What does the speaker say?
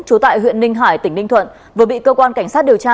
trú tại huyện ninh hải tỉnh ninh thuận vừa bị cơ quan cảnh sát điều tra